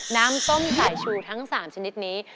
น้ำต้มสายชูทั้ง๓ชนิดนี้